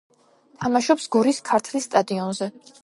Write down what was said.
თამაშობს გორის „ქართლის“ სტადიონზე.